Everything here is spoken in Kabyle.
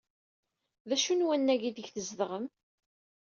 D acu n wannag aydeg tzedɣemt?